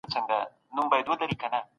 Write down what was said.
بدن د غوړو اوږدمهاله انرژي لري.